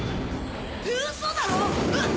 ウソだろ⁉うっ！